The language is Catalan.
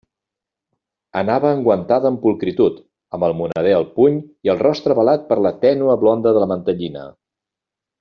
Anava enguantada amb pulcritud, amb el moneder al puny i el rostre velat per la tènue blonda de la mantellina.